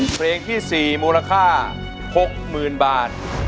เพลงที่๔มูลค่า๖๐๐๐๐บาท